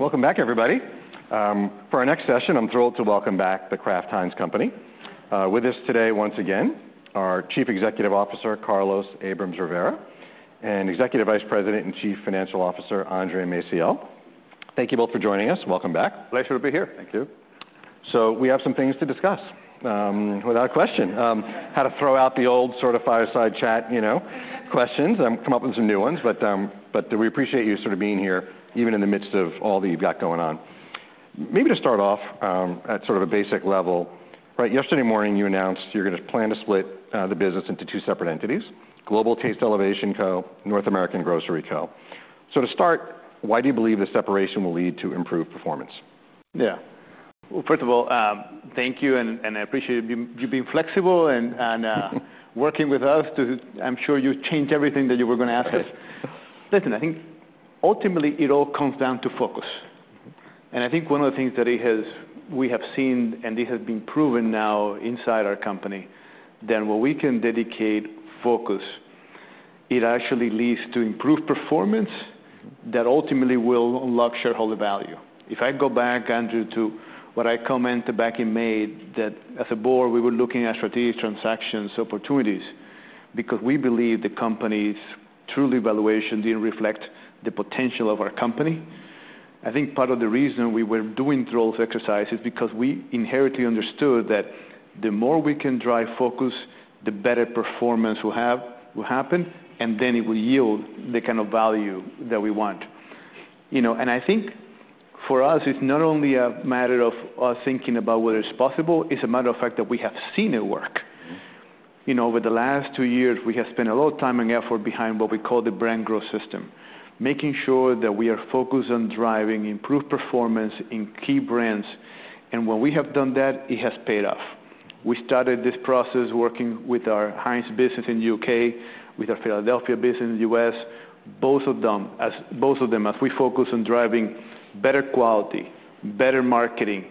Welcome back, everybody. For our next session, I'm thrilled to welcome back the Kraft Heinz Company. With us today, once again, are Chief Executive Officer Carlos Abrams-Rivera and Executive Vice President and Chief Financial Officer Andre Maciel. Thank you both for joining us. Welcome back. Pleasure to be here. Thank you. So we have some things to discuss, without a question. How to throw out the old sort of fireside chat, you know, questions and come up with some new ones. But we appreciate you sort of being here, even in the midst of all that you've got going on. Maybe to start off at sort of a basic level, right? Yesterday morning, you announced you're going to plan to split the business into two separate entities: Global Taste Elevation Co. and North American Grocery Co. So to start, why do you believe the separation will lead to improved performance? Yeah. Well, first of all, thank you. And I appreciate you being flexible and working with us. I'm sure you changed everything that you were going to ask us. Listen, I think ultimately it all comes down to focus. And I think one of the things that we have seen, and this has been proven now inside our company, that when we can dedicate focus, it actually leads to improved performance that ultimately will unlock shareholder value. If I go back, Andre, to what I commented back in May, that as a board, we were looking at strategic transactions, opportunities, because we believe the company's true valuation didn't reflect the potential of our company. I think part of the reason we were doing those exercises is because we inherently understood that the more we can drive focus, the better performance will happen, and then it will yield the kind of value that we want. You know, and I think for us, it's not only a matter of us thinking about whether it's possible. It's a matter of fact that we have seen it work. You know, over the last two years, we have spent a lot of time and effort behind what we call the Brand Growth System, making sure that we are focused on driving improved performance in key brands. And when we have done that, it has paid off. We started this process working with our Heinz business in the U.K., with our Philadelphia business in the U.S. Both of them, as we focus on driving better quality, better marketing,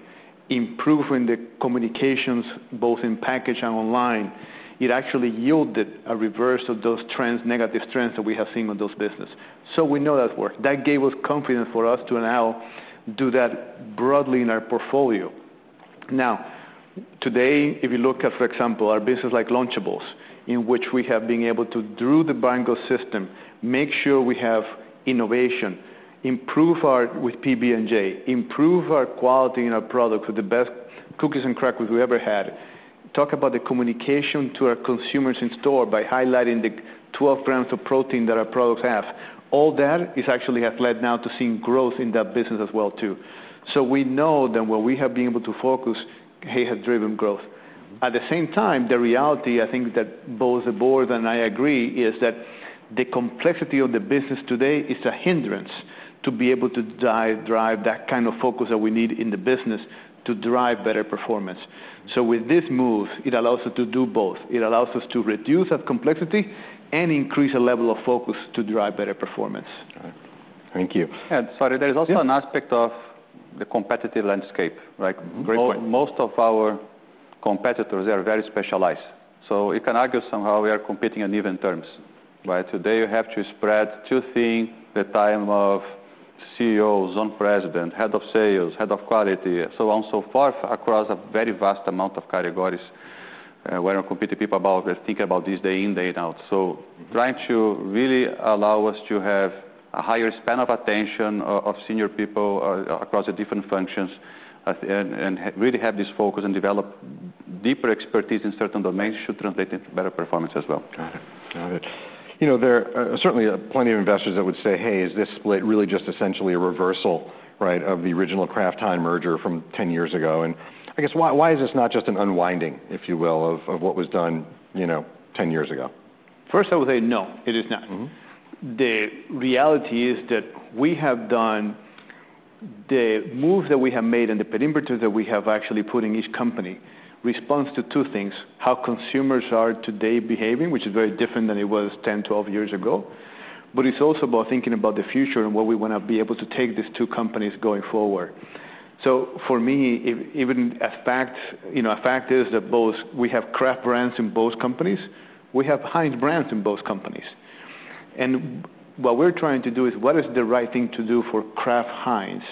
improving the communications, both in package and online, it actually yielded a reverse of those trends, negative trends that we have seen on those businesses. So we know that worked. That gave us confidence for us to now do that broadly in our portfolio. Now, today, if you look at, for example, our business like Lunchables, in which we have been able to, through the brand growth system, make sure we have innovation, improve our with PB&J, improve our quality in our product with the best cookies and crackers we've ever had, talk about the communication to our consumers in store by highlighting the 12 grams of protein that our products have. All that actually has led now to seeing growth in that business as well, too. So we know that when we have been able to focus, it has driven growth. At the same time, the reality, I think that both the board and I agree, is that the complexity of the business today is a hindrance to be able to drive that kind of focus that we need in the business to drive better performance. So with this move, it allows us to do both. It allows us to reduce that complexity and increase the level of focus to drive better performance. Thank you. Sorry, there is also an aspect of the competitive landscape, right? Most of our competitors are very specialized. So you can argue somehow we are competing on even terms, right? Today, you have to spread two things: the time of CEOs, zone president, head of sales, head of quality, so on and so forth, across a very vast amount of categories where we're competing with people about thinking about this day in, day out. So trying to really allow us to have a higher span of attention of senior people across the different functions and really have this focus and develop deeper expertise in certain domains should translate into better performance as well. Got it. Got it. You know, there are certainly plenty of investors that would say, hey, is this split really just essentially a reversal, right, of the original Kraft Heinz merger from 10 years ago? And I guess, why is this not just an unwinding, if you will, of what was done, you know, 10 years ago? First, I would say no, it is not. The reality is that we have done the move that we have made and the parameters that we have actually put in each company respond to two things: how consumers are today behaving, which is very different than it was 10, 12 years ago. But it's also about thinking about the future and what we want to be able to take these two companies going forward. So for me, even a fact, you know, a fact is that both we have Kraft brands in both companies. We have Heinz brands in both companies. And what we're trying to do is, what is the right thing to do for Kraft Heinz?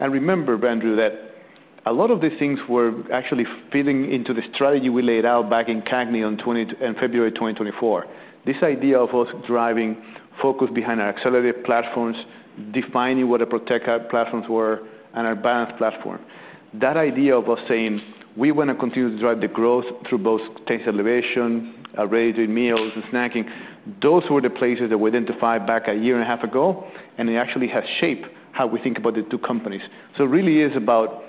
And remember, Andre, that a lot of these things were actually fitting into the strategy we laid out back in CAGNY in February 2024. This idea of us driving focus behind our accelerated platforms, defining what our protected platforms were, and our balanced platform. That idea of us saying, we want to continue to drive the growth through both taste elevation, our ready to eat meals and snacking, those were the places that we identified back a year and a half ago, and it actually has shaped how we think about the two companies. So it really is about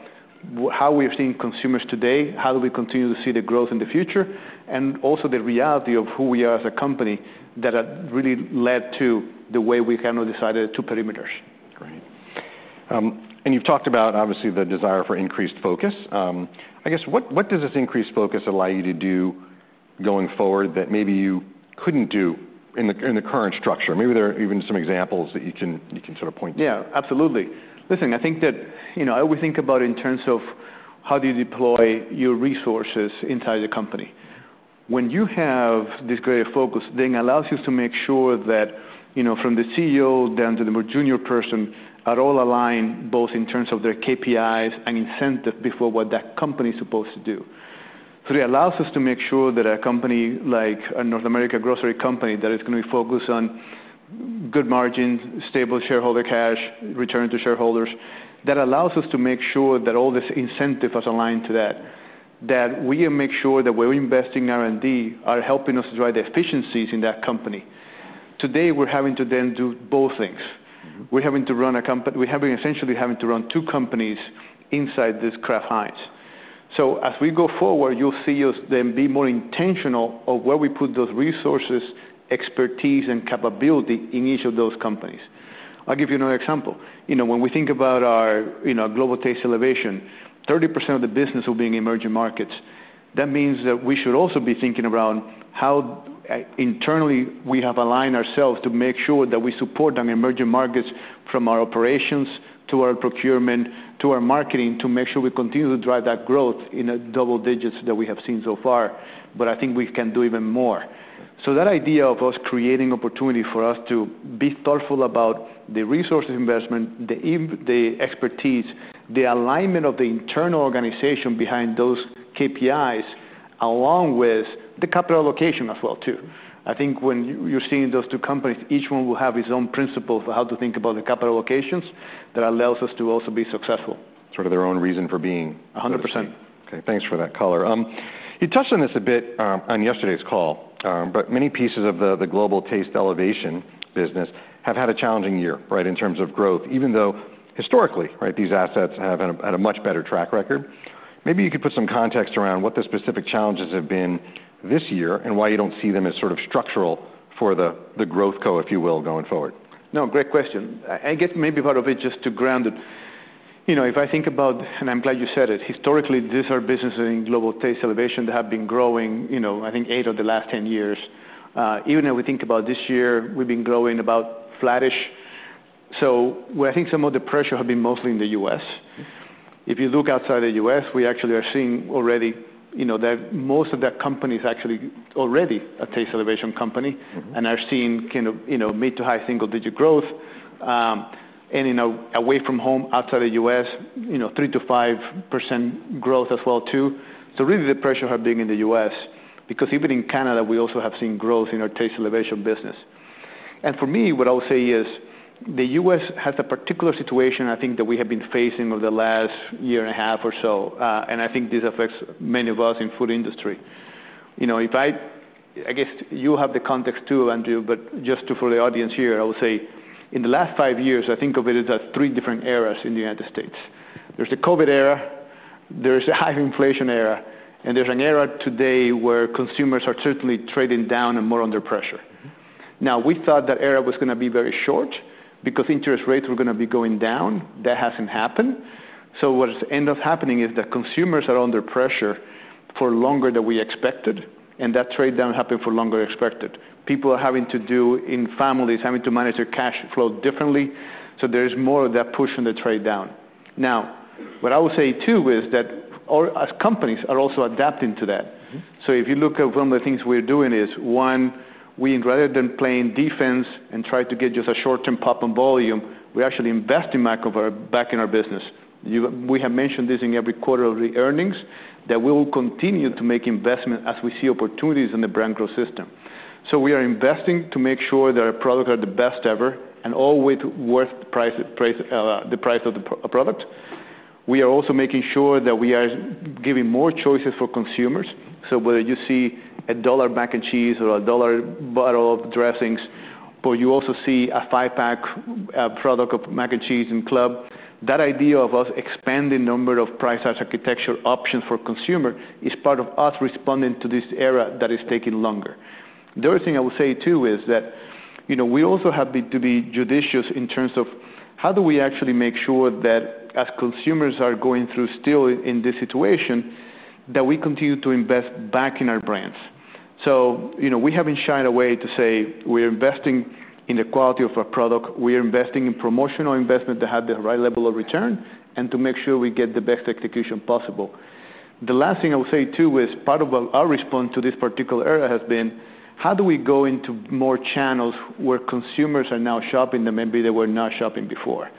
how we are seeing consumers today, how do we continue to see the growth in the future, and also the reality of who we are as a company that has really led to the way we kind of decided the two parameters. Great. And you've talked about, obviously, the desire for increased focus. I guess, what does this increased focus allow you to do going forward that maybe you couldn't do in the current structure? Maybe there are even some examples that you can sort of point to. Yeah, absolutely. Listen, I think that, you know, I always think about it in terms of how do you deploy your resources inside the company. When you have this greater focus, then it allows you to make sure that, you know, from the CEO down to the more junior person, are all aligned both in terms of their KPIs and incentive before what that company is supposed to do. So it allows us to make sure that a company like a North American grocery company that is going to be focused on good margins, stable shareholder cash, return to shareholders, that allows us to make sure that all this incentive is aligned to that, that we make sure that we're investing R&D, are helping us to drive the efficiencies in that company. Today, we're having to then do both things. We're having to run a company. We're essentially having to run two companies inside this Kraft Heinz. So as we go forward, you'll see us then be more intentional of where we put those resources, expertise, and capability in each of those companies. I'll give you another example. You know, when we think about our, you know, Global Taste Elevation, 30% of the business will be in emerging markets. That means that we should also be thinking around how internally we have aligned ourselves to make sure that we support our emerging markets from our operations to our procurement to our marketing to make sure we continue to drive that growth in double digits that we have seen so far. But I think we can do even more. So that idea of us creating opportunity for us to be thoughtful about the resource investment, the expertise, the alignment of the internal organization behind those KPIs, along with the capital allocation as well, too. I think when you're seeing those two companies, each one will have its own principle for how to think about the capital allocations that allows us to also be successful. Sort of their own reason for being here. 100%. Okay. Thanks for that color. You touched on this a bit on yesterday's call, but many pieces of the Global Taste Elevation business have had a challenging year, right, in terms of growth, even though historically, right, these assets have had a much better track record. Maybe you could put some context around what the specific challenges have been this year and why you don't see them as sort of structural for the Growth Co., if you will, going forward. No, great question. I guess maybe part of it just to ground it. You know, if I think about, and I'm glad you said it, historically, these are businesses in Global Taste Elevation that have been growing, you know, I think eight of the last 10 years. Even if we think about this year, we've been growing about flattish. So I think some of the pressure has been mostly in the U.S. If you look outside the U.S., we actually are seeing already, you know, that most of that company is actually already a taste elevation company and are seeing kind of, you know, mid to high single-digit growth. And, you know, away from home, outside the U.S., you know, 3%-5% growth as well, too. So really the pressures have been in the U.S. because even in Canada, we also have seen growth in our taste elevation business. For me, what I would say is the U.S. has a particular situation, I think, that we have been facing over the last year and a half or so. I think this affects many of us in the food industry. You know, if I, I guess you have the context too, Andre, but just for the audience here, I would say in the last five years, I think of it as three different eras in the United States. There's the COVID era, there's the high inflation era, and there's an era today where consumers are certainly trading down and more under pressure. Now, we thought that era was going to be very short because interest rates were going to be going down. That hasn't happened. What ended up happening is that consumers are under pressure for longer than we expected, and that trade down happened for longer than expected. People are having to do, in families, having to manage their cash flow differently. So there is more of that push on the trade down. Now, what I would say too is that as companies are also adapting to that. So if you look at one of the things we're doing is, one, we rather than playing defense and try to get just a short-term pop in volume, we actually invest back in our business. We have mentioned this in every quarter of the earnings that we will continue to make investment as we see opportunities in the brand growth system. So we are investing to make sure that our products are the best ever and always worth the price of the product. We are also making sure that we are giving more choices for consumers. So whether you see a $1 mac and cheese or a $1 bottle of dressings, or you also see a five-pack product of mac and cheese and club, that idea of us expanding the number of price architecture options for consumers is part of us responding to this era that is taking longer. The other thing I would say too is that, you know, we also have to be judicious in terms of how do we actually make sure that as consumers are going through still in this situation, that we continue to invest back in our brands. So, you know, we haven't shied away to say we're investing in the quality of our product. We are investing in promotional investment that have the right level of return and to make sure we get the best execution possible. The last thing I would say too is part of our response to this particular era has been how do we go into more channels where consumers are now shopping that maybe they were not shopping before.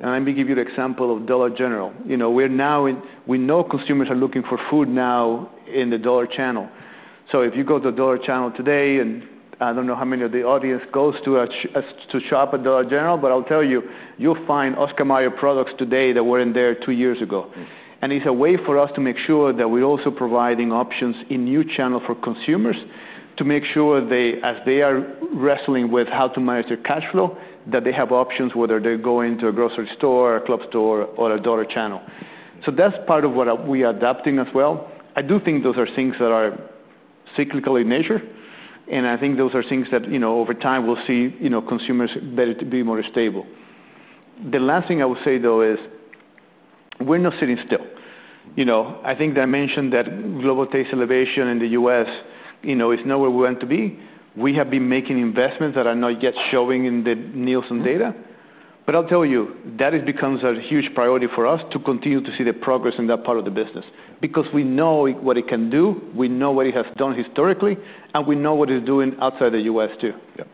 And let me give you an example of dollar general. You know, we're now, we know consumers are looking for food now in the dollar channel. So if you go to dollar channel today, and I don't know how many of the audience goes to shop at dollar general, but I'll tell you, you'll find Oscar Mayer products today that weren't there two years ago. It's a way for us to make sure that we're also providing options in new channels for consumers to make sure that as they are wrestling with how to manage their cash flow, that they have options whether they're going to a grocery store, a club store, or a dollar channel. So that's part of what we are adapting as well. I do think those are things that are cyclical in nature. And I think those are things that, you know, over time we'll see, you know, consumers better to be more stable. The last thing I would say though is we're not sitting still. You know, I think that I mentioned that Global Taste Elevation in the U.S., you know, is nowhere we want to be. We have been making investments that are not yet showing in the Nielsen data. But I'll tell you, that becomes a huge priority for us to continue to see the progress in that part of the business because we know what it can do. We know what it has done historically, and we know what it's doing outside the U.S. too. Yep.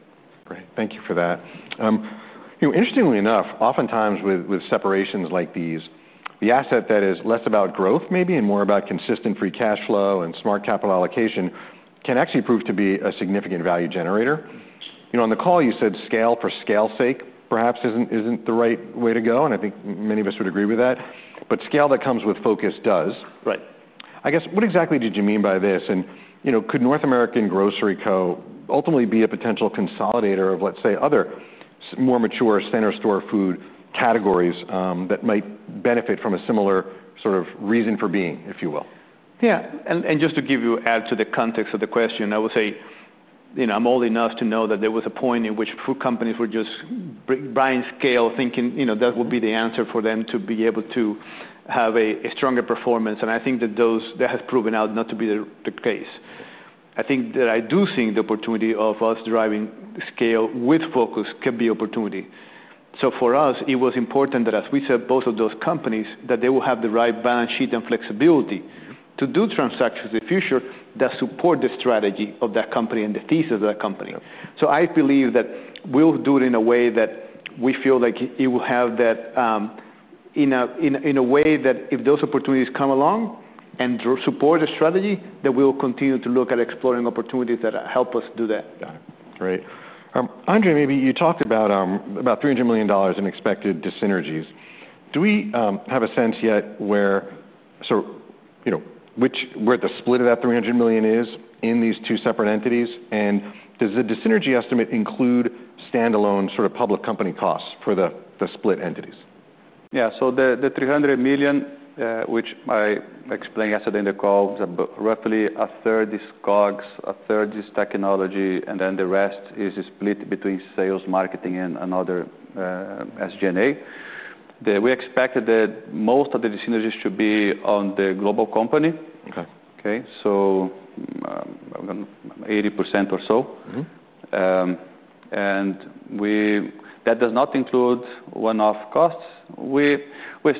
Great. Thank you for that. You know, interestingly enough, oftentimes with separations like these, the asset that is less about growth maybe and more about consistent free cash flow and smart capital allocation can actually prove to be a significant value generator. You know, on the call, you said scale for scale's sake perhaps isn't the right way to go. And I think many of us would agree with that. But scale that comes with focus does. Right. I guess, what exactly did you mean by this? And, you know, could North American Grocery Co. ultimately be a potential consolidator of, let's say, other more mature center store food categories that might benefit from a similar sort of reason for being, if you will? Yeah. And just to give you, add to the context of the question, I would say, you know, I'm old enough to know that there was a point in which food companies were just buying scale thinking, you know, that will be the answer for them to be able to have a stronger performance. And I think that those that has proven out not to be the case. I think that I do think the opportunity of us driving scale with focus can be opportunity. So for us, it was important that as we said, both of those companies, that they will have the right balance sheet and flexibility to do transactions in the future that support the strategy of that company and the thesis of that company. I believe that we'll do it in a way that we feel like it will have that, in a way, that if those opportunities come along and support the strategy, that we'll continue to look at exploring opportunities that help us do that. Got it. Great. Andre, maybe you talked about $300 million in expected synergies. Do we have a sense yet where, so, you know, which the split of that 300 million is in these two separate entities? And does the synergy estimate include standalone sort of public company costs for the split entities? Yeah. So the $300 million, which I explained yesterday in the call, roughly a third is COGS, a third is technology, and then the rest is split between sales, marketing, and other SG&A. We expected that most of the synergies should be on the global company. Okay. Okay? So, 80% or so. And that does not include one-off costs. We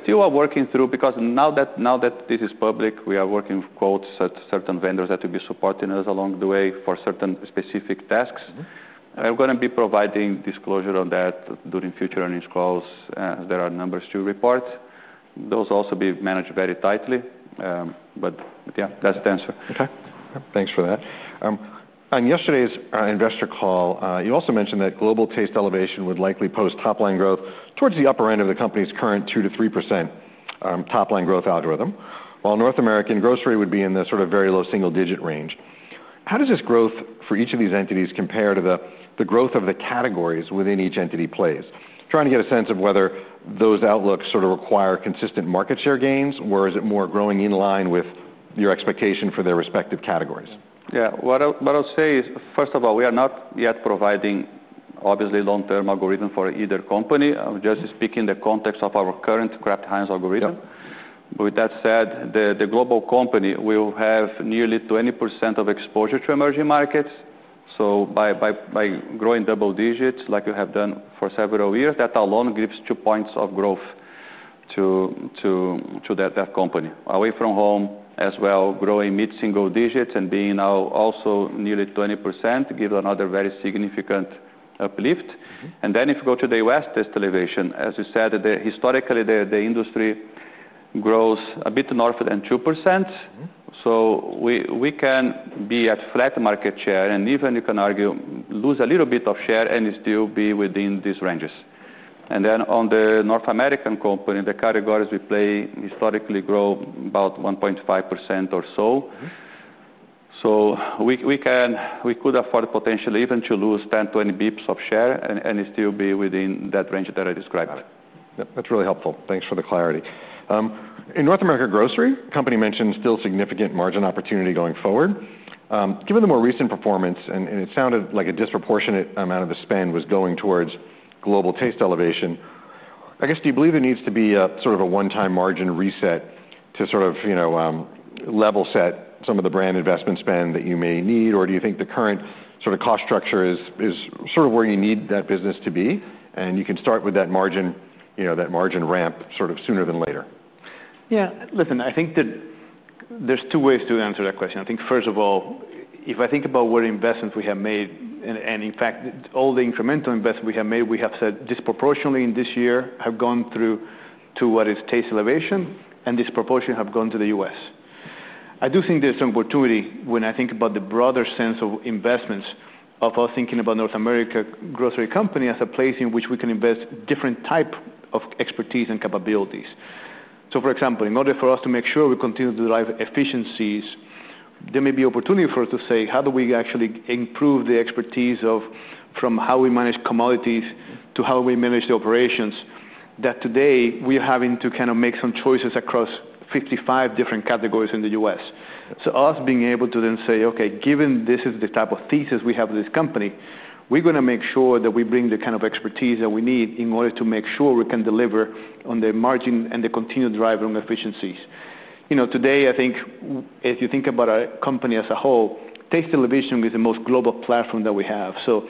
still are working through because now that this is public, we are working with quotes at certain vendors that will be supporting us along the way for certain specific tasks. I'm going to be providing disclosure on that during future earnings calls as there are numbers to report. Those also be managed very tightly. But yeah, that's the answer. Okay. Thanks for that. On yesterday's investor call, you also mentioned that Global Taste Elevation Co. would likely post top-line growth towards the upper end of the company's current 2%-3% top-line growth algorithm, while North American Grocery Co. would be in the sort of very low single-digit range. How does this growth for each of these entities compare to the growth of the categories within each entity plays? Trying to get a sense of whether those outlooks sort of require consistent market share gains, or is it more growing in line with your expectation for their respective categories? Yeah. What I'll say is, first of all, we are not yet providing, obviously, long-term algorithm for either company. I'm just speaking in the context of our current Kraft Heinz algorithm. But with that said, the global company will have nearly 20% of exposure to emerging markets. So by growing double digits like we have done for several years, that alone gives two points of growth to that company. Away from home as well, growing mid single digits and being now also nearly 20% gives another very significant uplift. And then if you go to the Global Taste Elevation, as you said, historically the industry grows a bit north of 2%. So we can be at flat market share and even you can argue lose a little bit of share and still be within these ranges. Then on the North American company, the categories we play historically grow about 1.5% or so. So we could afford potentially even to lose 10-20 basis points of share and still be within that range that I described. Yep. That's really helpful. Thanks for the clarity. In North American Grocery Co., company mentioned still significant margin opportunity going forward. Given the more recent performance, and it sounded like a disproportionate amount of the spend was going towards Global Taste Elevation Co., I guess, do you believe there needs to be sort of a one-time margin reset to sort of, you know, level set some of the brand investment spend that you may need, or do you think the current sort of cost structure is sort of where you need that business to be and you can start with that margin, you know, that margin ramp sort of sooner than later? Yeah. Listen, I think that there's two ways to answer that question. I think first of all, if I think about what investments we have made, and in fact all the incremental investments we have made, we have said disproportionately in this year have gone through to what is Taste Elevation and disproportionately have gone to the U.S. I do think there's an opportunity when I think about the broader sense of investments of us thinking about North American Grocery Co. as a place in which we can invest different type of expertise and capabilities. So for example, in order for us to make sure we continue to drive efficiencies, there may be opportunity for us to say, how do we actually improve the expertise from how we manage commodities to how we manage the operations that today we are having to kind of make some choices across 55 different categories in the U.S. So us being able to then say, okay, given this is the type of thesis we have with this company, we're going to make sure that we bring the kind of expertise that we need in order to make sure we can deliver on the margin and the continued driving efficiencies. You know, today I think if you think about a company as a whole, Taste Elevation is the most global platform that we have. So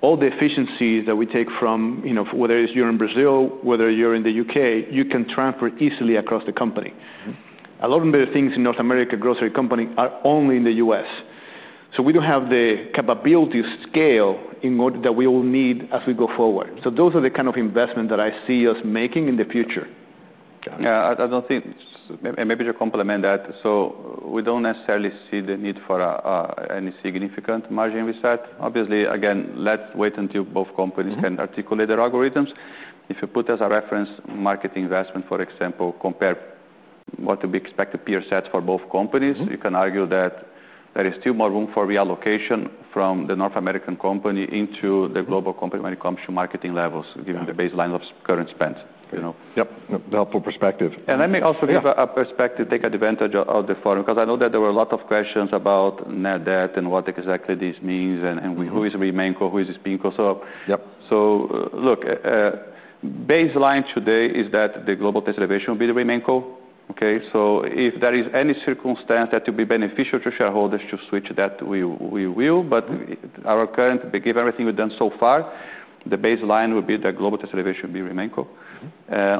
all the efficiencies that we take from, you know, whether you're in Brazil, whether you're in the U.K., you can transfer easily across the company. A lot of the things in North American Grocery Co. are only in the U.S. So we don't have the capability scale in order that we will need as we go forward. So those are the kind of investment that I see us making in the future. Got it. Yeah. I don't think, and maybe to complement that, so we don't necessarily see the need for any significant margin reset. Obviously, again, let's wait until both companies can articulate their algorithms. If you put as a reference market investment, for example, compare what to be expected peer sets for both companies, you can argue that there is still more room for reallocation from the North American company into the global company when it comes to marketing levels given the baseline of current spend, you know? Yep. Helpful perspective. And let me also give a perspective, take advantage of the forum because I know that there were a lot of questions about net debt and what exactly this means and who is RemainCo, who is SpinCo. So look, baseline today is that the Global Taste Elevation will be the RemainCo, okay? So if there is any circumstance that will be beneficial to shareholders to switch that, we will. But our current, given everything we've done so far, the baseline will be that Global Taste Elevation will be RemainCo.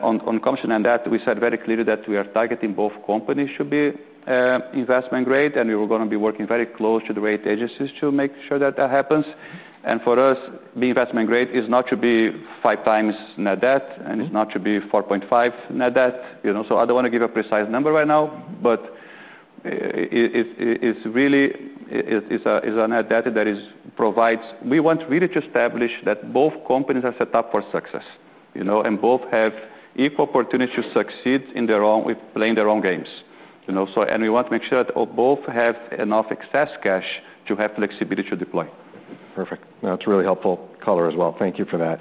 On coming to net debt, we said very clearly that we are targeting both companies should be investment grade, and we were going to be working very closely with the rating agencies to make sure that that happens. For us, the investment grade is not to be five times net debt, and it's not to be 4.5 net debt, you know? So I don't want to give a precise number right now, but it's really a net debt that provides. We want really to establish that both companies are set up for success, you know, and both have equal opportunity to succeed in their own, playing their own games, you know? So, and we want to make sure that both have enough excess cash to have flexibility to deploy. Perfect. That's really helpful color as well. Thank you for that.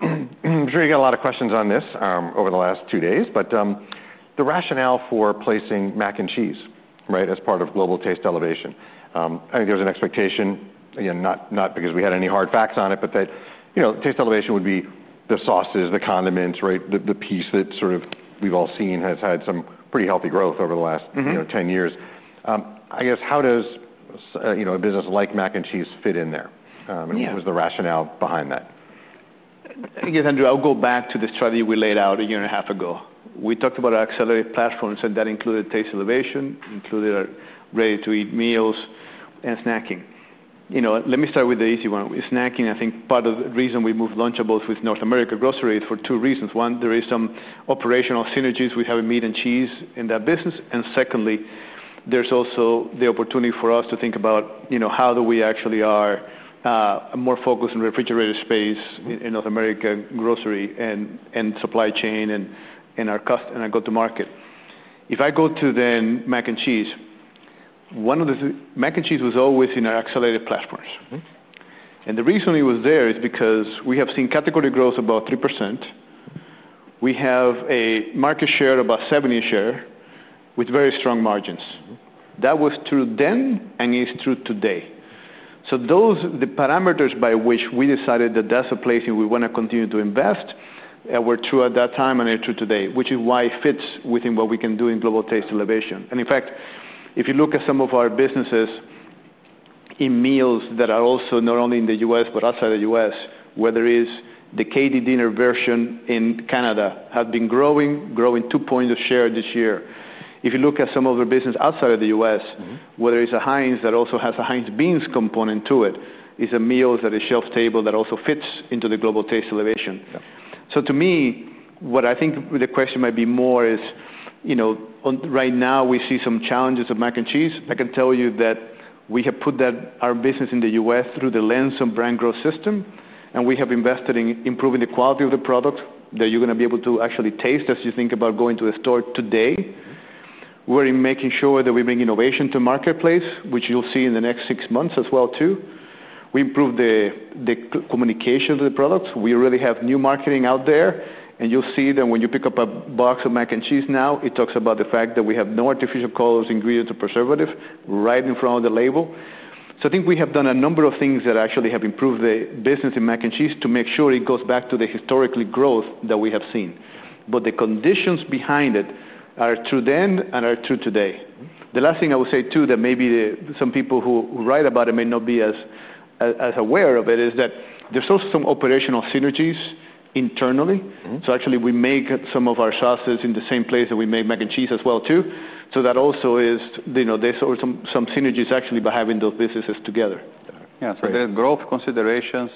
I'm sure you got a lot of questions on this over the last two days, but the rationale for placing mac and cheese, right, as part of Global Taste Elevation, I think there was an expectation, again, not because we had any hard facts on it, but that, you know, Taste Elevation would be the sauces, the condiments, right? The piece that sort of we've all seen has had some pretty healthy growth over the last, you know, 10 years. I guess, how does, you know, a business like mac and cheese fit in there? And what was the rationale behind that? I guess, Andre, I'll go back to the strategy we laid out a year and a half ago. We talked about our accelerated platforms, and that included Taste Elevation, included ready to eat meals and snacking. You know, let me start with the easy one. With snacking, I think part of the reason we moved Lunchables with North America grocery is for two reasons. One, there is some operational synergies. We have a meat and cheese in that business. And secondly, there's also the opportunity for us to think about, you know, how do we actually are more focused in refrigerated space in North America grocery and supply chain and our go-to-market. If I go then to mac and cheese, one of the, mac and cheese was always in our accelerated platforms, and the reason it was there is because we have seen category growth about 3%. We have a market share of about 70% share with very strong margins. That was true then and is true today. So those, the parameters by which we decided that that's a place we want to continue to invest were true at that time and are true today, which is why it fits within what we can do in Global Taste Elevation. And in fact, if you look at some of our businesses in meals that are also not only in the U.S., but outside the U.S., whether it is the KD dinner version in Canada has been growing, growing two points of share this year. If you look at some of our business outside of the U.S., whether it's a Heinz that also has a Heinz Beanz component to it, it's a meal that is shelf-stable that also fits into the Global Taste Elevation. So to me, what I think the question might be more is, you know, right now we see some challenges of mac and cheese. I can tell you that we have put that our business in the U.S. through the lens of Brand Growth System, and we have invested in improving the quality of the product that you're going to be able to actually taste as you think about going to the store today. We're in making sure that we bring innovation to marketplace, which you'll see in the next six months as well too. We improve the communication of the products. We really have new marketing out there, and you'll see that when you pick up a box of mac and cheese now, it talks about the fact that we have no artificial colors, ingredients, or preservative right in front of the label. So I think we have done a number of things that actually have improved the business in mac and cheese to make sure it goes back to the historical growth that we have seen. But the conditions behind it are true then and are true today. The last thing I would say too that maybe some people who write about it may not be as aware of it is that there's also some operational synergies internally. So actually we make some of our sauces in the same place that we make mac and cheese as well too. So that also is, you know, there's some synergies actually by having those businesses together. Yeah. So there's growth considerations,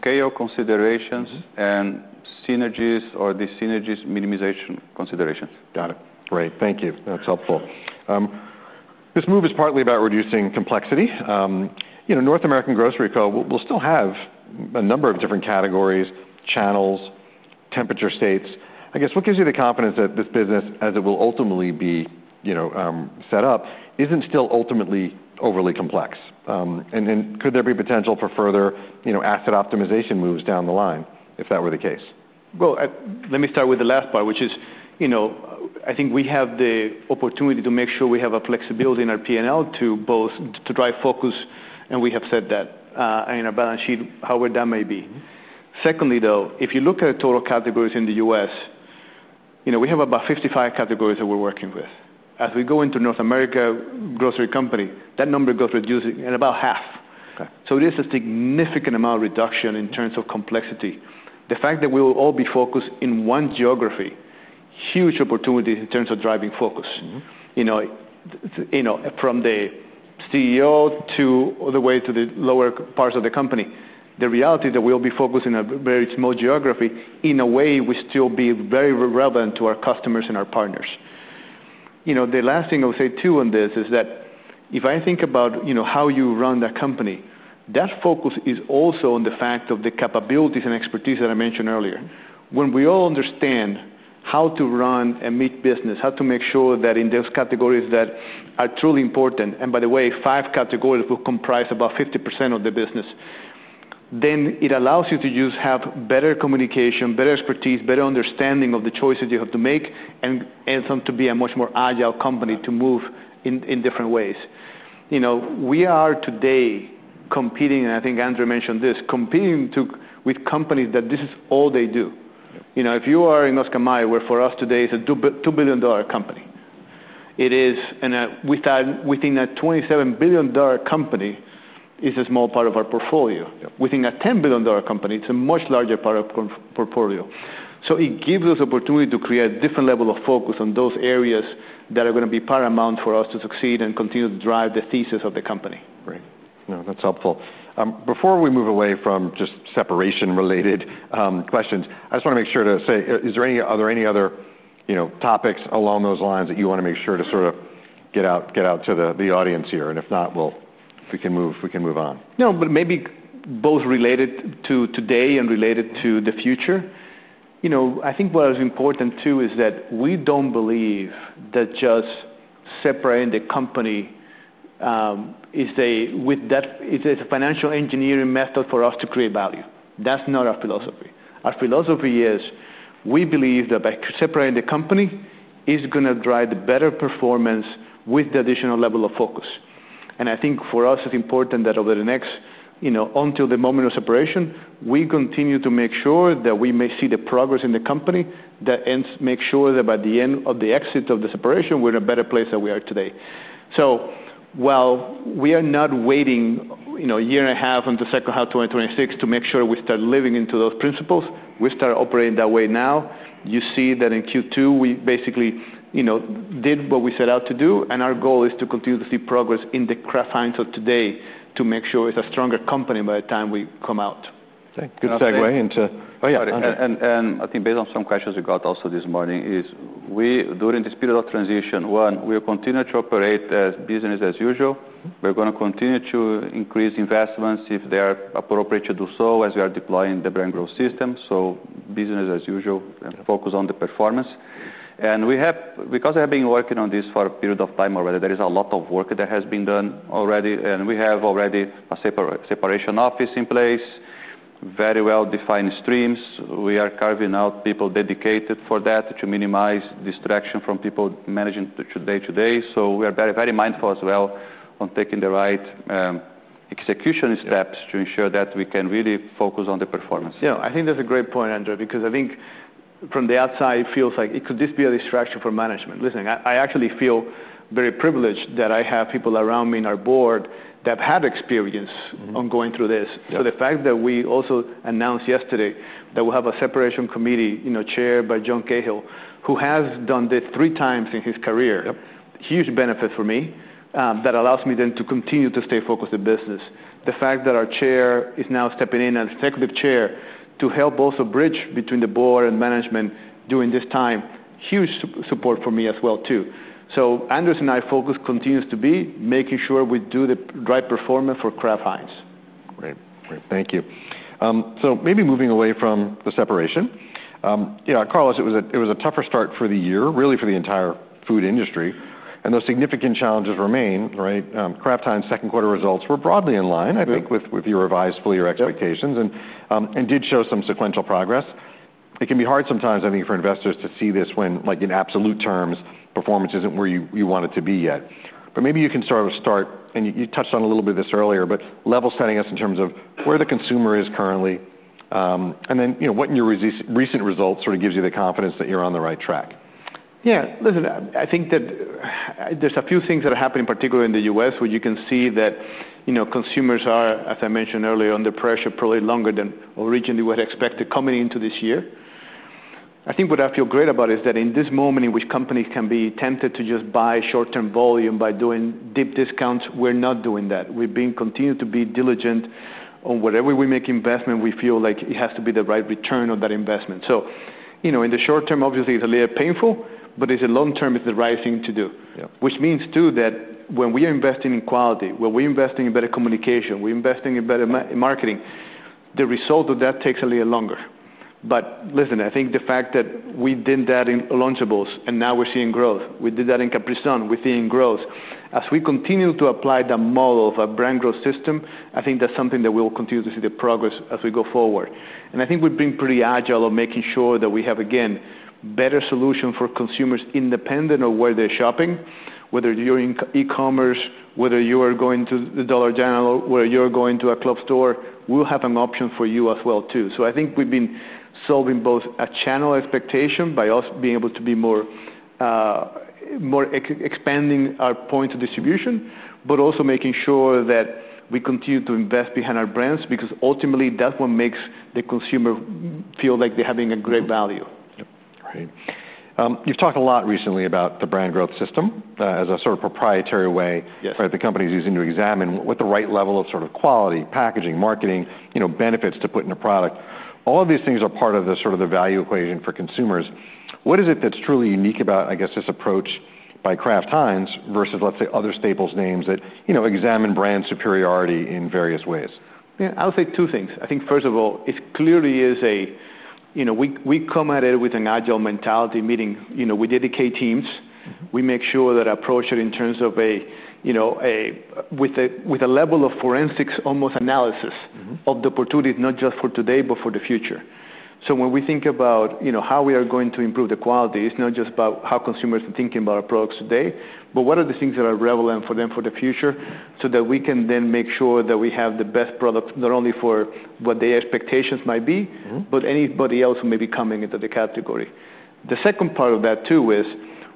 scale considerations, and synergies or the synergies minimization considerations. Got it. Great. Thank you. That's helpful. This move is partly about reducing complexity. You know, North American grocery will still have a number of different categories, channels, temperature states. I guess, what gives you the confidence that this business, as it will ultimately be, you know, set up, isn't still ultimately overly complex? And could there be potential for further, you know, asset optimization moves down the line if that were the case? Let me start with the last part, which is, you know, I think we have the opportunity to make sure we have a flexibility in our P&L to both to drive focus, and we have said that in our balance sheet however that may be. Secondly though, if you look at total categories in the U.S., you know, we have about 55 categories that we're working with. As we go into North American grocery company, that number goes reducing at about half. So it is a significant amount of reduction in terms of complexity. The fact that we will all be focused in one geography, huge opportunity in terms of driving focus. You know, you know, from the CEO to all the way to the lower parts of the company, the reality is that we'll be focused in a very small geography in a way we still be very relevant to our customers and our partners. You know, the last thing I would say too on this is that if I think about, you know, how you run that company, that focus is also on the fact of the capabilities and expertise that I mentioned earlier. When we all understand how to run a meat business, how to make sure that in those categories that are truly important, and by the way, five categories will comprise about 50% of the business, then it allows you to just have better communication, better expertise, better understanding of the choices you have to make, and some to be a much more agile company to move in different ways. You know, we are today competing, and I think Andre mentioned this, competing with companies that this is all they do. You know, if you are in North America [?], where for us today is a $2 billion company, it is, and within a $27 billion company is a small part of our portfolio. Within a $10 billion company, it's a much larger part of portfolio. It gives us opportunity to create a different level of focus on those areas that are going to be paramount for us to succeed and continue to drive the thesis of the company. Right. No, that's helpful. Before we move away from just separation-related questions, I just want to make sure to say, is there any other, you know, topics along those lines that you want to make sure to sort of get out to the audience here? And if not, we can move on. No, but maybe both related to today and related to the future. You know, I think what is important too is that we don't believe that just separating the company is a financial engineering method for us to create value. That's not our philosophy. Our philosophy is we believe that by separating the company is going to drive the better performance with the additional level of focus, and I think for us it's important that over the next, you know, until the moment of separation, we continue to make sure that we may see the progress in the company that ends to make sure that by the end of the exit of the separation, we're in a better place than we are today. So while we are not waiting, you know, a year and a half until second half 2026 to make sure we start living into those principles, we start operating that way now. You see that in Q2 we basically, you know, did what we set out to do, and our goal is to continue to see progress in the Kraft Heinz of today to make sure it's a stronger company by the time we come out. Okay. Good segue into. Oh yeah. And I think based on some questions we got also this morning is we, during this period of transition, one, we'll continue to operate as business as usual. We're going to continue to increase investments if they are appropriate to do so as we are deploying the Brand Growth System. So business as usual, focus on the performance. And we have, because I have been working on this for a period of time already, there is a lot of work that has been done already, and we have already a separation office in place, very well-defined streams. We are carving out people dedicated for that to minimize distraction from people managing day to day. So we are very, very mindful as well on taking the right execution steps to ensure that we can really focus on the performance. Yeah. I think that's a great point, Andre, because I think from the outside it feels like it could just be a distraction for management. Listen, I actually feel very privileged that I have people around me in our board that have had experience on going through this. So the fact that we also announced yesterday that we'll have a separation committee, you know, chaired by John Cahill, who has done this three times in his career, huge benefit for me that allows me then to continue to stay focused on the business. The fact that our chair is now stepping in as executive chair to help also bridge between the board and management during this time, huge support for me as well too. So Andre's and my focus continues to be making sure we do the right performance for Kraft Heinz. Great. Great. Thank you. So maybe moving away from the separation. You know, Carlos, it was a tougher start for the year, really for the entire food industry, and those significant challenges remain, right? Kraft Heinz second quarter results were broadly in line, I think, with your revised full-year expectations and did show some sequential progress. It can be hard sometimes, I think, for investors to see this when, like in absolute terms, performance isn't where you want it to be yet. But maybe you can sort of start, and you touched on a little bit of this earlier, but level setting us in terms of where the consumer is currently, and then, you know, what in your recent results sort of gives you the confidence that you're on the right track? Yeah. Listen, I think that there's a few things that are happening, particularly in the U.S., where you can see that, you know, consumers are, as I mentioned earlier, under pressure probably longer than originally we had expected coming into this year. I think what I feel great about is that in this moment in which companies can be tempted to just buy short-term volume by doing deep discounts, we're not doing that. We've been continuing to be diligent on whatever we make investment, we feel like it has to be the right return on that investment. So, you know, in the short term, obviously it's a little painful, but in the long term, it's the right thing to do, which means too that when we are investing in quality, when we're investing in better communication, we're investing in better marketing, the result of that takes a little longer. But listen, I think the fact that we did that in Lunchables and now we're seeing growth, we did that in Capri Sun, we're seeing growth. As we continue to apply that model of a brand growth system, I think that's something that we'll continue to see the progress as we go forward. And I think we've been pretty agile on making sure that we have, again, better solutions for consumers independent of where they're shopping, whether you're in e-commerce, whether you are going to the dollar general, whether you're going to a club store, we'll have an option for you as well too. So I think we've been solving both a channel expectation by us being able to be more expanding our point of distribution, but also making sure that we continue to invest behind our brands because ultimately that's what makes the consumer feel like they're having a great value. Right. You've talked a lot recently about the brand growth system as a sort of proprietary way that the company's using to examine what the right level of sort of quality, packaging, marketing, you know, benefits to put in a product. All of these things are part of the sort of the value equation for consumers. What is it that's truly unique about, I guess, this approach by Kraft Heinz versus, let's say, other staples names that, you know, examine brand superiority in various ways? Yeah. I'll say two things. I think first of all, it clearly is a, you know, we come at it with an agile mentality, meaning, you know, we dedicate teams, we make sure that our approach in terms of a, you know, with a level of forensic analysis of the opportunity, not just for today, but for the future. So when we think about, you know, how we are going to improve the quality, it's not just about how consumers are thinking about our products today, but what are the things that are relevant for them for the future so that we can then make sure that we have the best product not only for what their expectations might be, but anybody else who may be coming into the category. The second part of that too is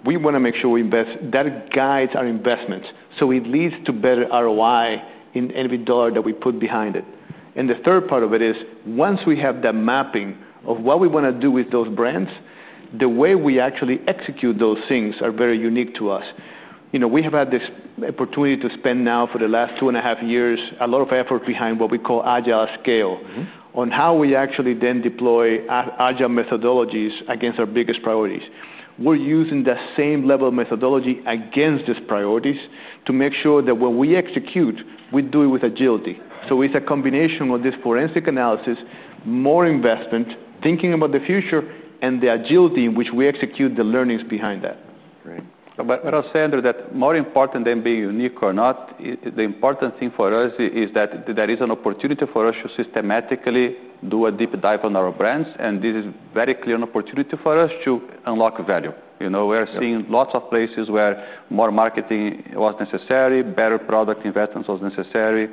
we want to make sure we invest that guides our investments. So it leads to better ROI in every dollar that we put behind it. And the third part of it is once we have that mapping of what we want to do with those brands, the way we actually execute those things are very unique to us. You know, we have had this opportunity to spend now for the last two and a half years a lot of effort behind what we call Agile@Scale on how we actually then deploy agile methodologies against our biggest priorities. We're using that same level of methodology against these priorities to make sure that when we execute, we do it with agility. So it's a combination of this forensic analysis, more investment, thinking about the future, and the agility in which we execute the learnings behind that. Right. But I'll say, Andre, that more important than being unique or not, the important thing for us is that there is an opportunity for us to systematically do a deep dive on our brands, and this is very clear an opportunity for us to unlock value. You know, we are seeing lots of places where more marketing was necessary, better product investments was necessary,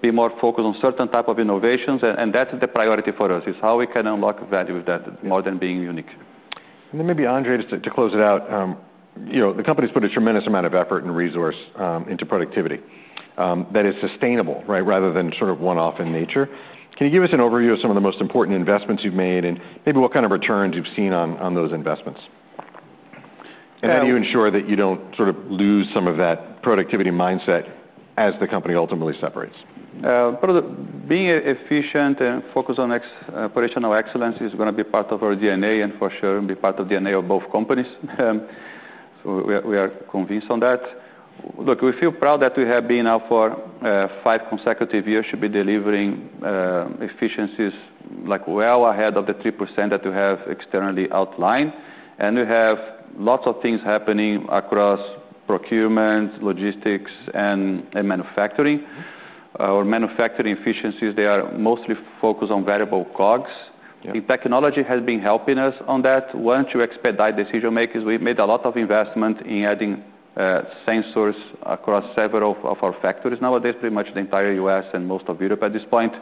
be more focused on certain type of innovations, and that's the priority for us is how we can unlock value with that more than being unique. And then maybe Andre, just to close it out, you know, the company's put a tremendous amount of effort and resource into productivity that is sustainable, right, rather than sort of one-off in nature. Can you give us an overview of some of the most important investments you've made and maybe what kind of returns you've seen on those investments? And how do you ensure that you don't sort of lose some of that productivity mindset as the company ultimately separates? Being efficient and focused on operational excellence is going to be part of our DNA and for sure be part of DNA of both companies. So we are convinced on that. Look, we feel proud that we have been now for five consecutive years should be delivering efficiencies like well ahead of the 3% that we have externally outlined, and we have lots of things happening across procurement, logistics, and manufacturing. Our manufacturing efficiencies, they are mostly focused on variable COGS. Technology has been helping us on that. Once we expedite decision-making, we made a lot of investment in adding sensors across several of our factories nowadays, pretty much the entire U.S. and most of Europe at this point,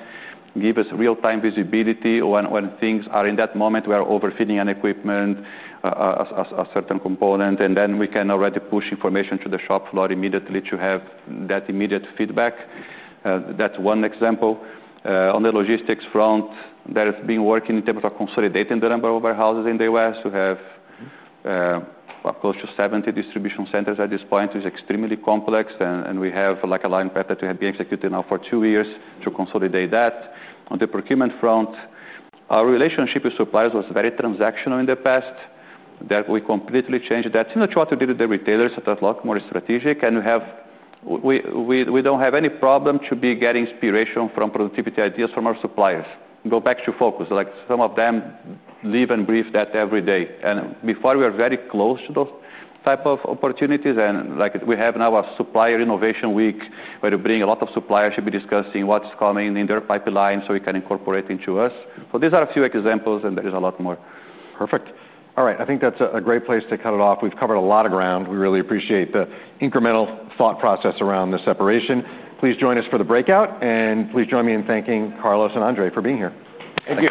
give us real-time visibility when things are in that moment where overheating an equipment, a certain component, and then we can already push information to the shop floor immediately to have that immediate feedback. That's one example. On the logistics front, there has been working in terms of consolidating the number of warehouses in the U.S. We have close to 70 distribution centers at this point. It's extremely complex, and we have like a linear path that we have been executing now for two years to consolidate that. On the procurement front, our relationship with suppliers was very transactional in the past. That we completely changed that, similar to what we did with the retailers. That's a lot more strategic, and we don't have any problem getting inspiration from productivity ideas from our suppliers. Go back to focus. Like, some of them live and breathe that every day. And before we were very close to those type of opportunities, and like we have now a supplier innovation week where we bring a lot of suppliers to be discussing what's coming in their pipeline so we can incorporate into us. So these are a few examples, and there is a lot more. Perfect. All right. I think that's a great place to cut it off. We've covered a lot of ground. We really appreciate the incremental thought process around the separation. Please join us for the breakout, and please join me in thanking Carlos and Andre for being here. Thank you.